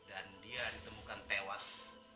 dan dia ditemukan tewas